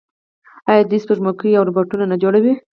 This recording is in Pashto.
آیا دوی سپوږمکۍ او روباټونه نه جوړوي؟